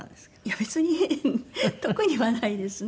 別に特にはないですね。